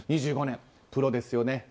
２５年、プロですよね。